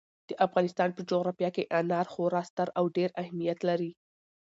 د افغانستان په جغرافیه کې انار خورا ستر او ډېر اهمیت لري.